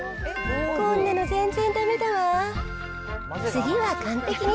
こんなの全然だめだわ。